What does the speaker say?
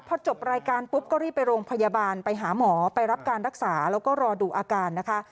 พอจบรายการปุ๊บก็รีบไปโรงพยาบาลไปหาหมอไปรับการรักษาแล้วก็รอดูอาการนะคะ